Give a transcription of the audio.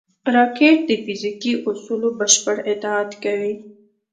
راکټ د فزیکي اصولو بشپړ اطاعت کوي